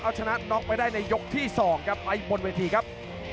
เอาชนะน็อกไปได้ในยกที่๒ครับไปบนเวทีครับ